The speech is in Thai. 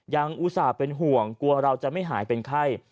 อุตส่าห์เป็นห่วงกลัวเราจะไม่หายเป็นไข้